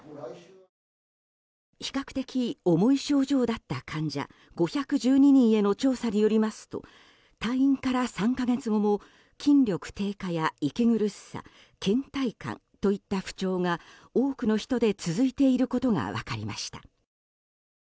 比較的重い症状だった患者５１２人への調査によりますと退院から３か月後も筋力低下や息苦しさ倦怠感といった不調が多くの人で続いていることが分かりました。